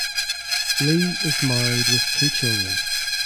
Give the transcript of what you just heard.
Lee is married with two children.